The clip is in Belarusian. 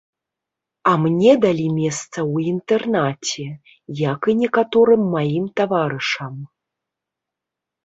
А мне далі месца ў інтэрнаце, як і некаторым маім таварышам.